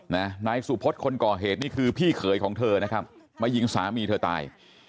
นายสุพธคนก่อเหตุนี่คือพี่เขยของเธอนะครับมายิงสามีเธอตาย